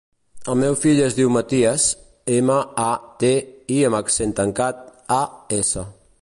El meu fill es diu Matías: ema, a, te, i amb accent tancat, a, essa.